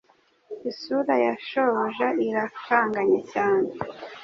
Isura ya shobuja irakanganye cyane